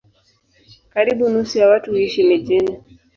Karibu nusu ya watu huishi mijini.